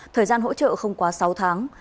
thời gian hỗ trợ không quá sáu tháng